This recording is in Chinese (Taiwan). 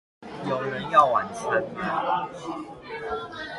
有人要晚餐嗎